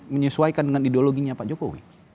menyesuaikan dengan ideologinya pak jokowi